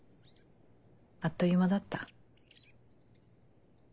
あっという間だった。